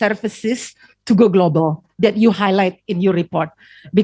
untuk berjalan global yang anda menambahkan dalam laporan anda